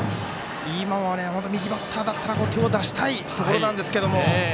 今は、右バッターだったら手を出したいところなんですけど。